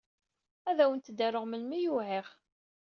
Ad awent-d-aruɣ melmi ay uɛiɣ.